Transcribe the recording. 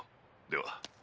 では。